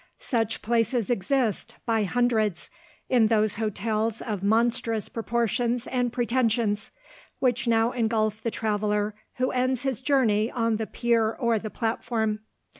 Such places exist, by hundreds, in those hotels of monstrous proportions and pretensions, which now engulf the traveller who ends his journey on the pier or the platform.